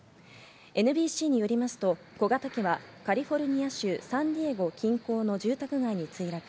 ＮＢＣによりますと小型機はカリフォルニア州サンディエゴ近郊の住宅街に墜落。